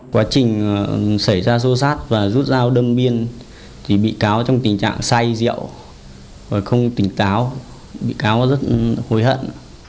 quá trình xảy ra sâu sắc và rút dao đâm biên thì bị cáo trong tình trạng say rượu và không tỉnh táo bị cáo rất hối hận